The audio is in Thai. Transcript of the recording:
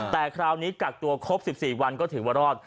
แต่คราวนี้กักตัวครบ๑๔วันก็ถือว่ารอด